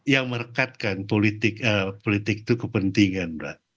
yang merekatkan politik itu kepentingan mbak